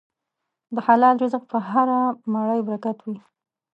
د حلال رزق په هره مړۍ برکت وي.